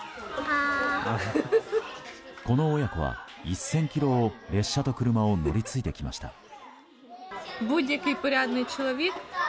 この親子は１０００ｋｍを列車と車を乗り継いで来ました。